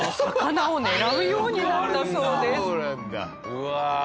うわ。